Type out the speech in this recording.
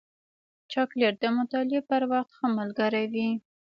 چاکلېټ د مطالعې پر وخت ښه ملګری وي.